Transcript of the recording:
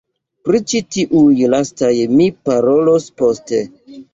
Pri ĉi tiuj lastaj mi parolos poste.